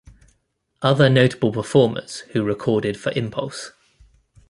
Other notable performers who recorded for Impulse!